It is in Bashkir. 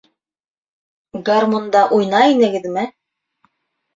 Гармунда уйнай инегеҙме?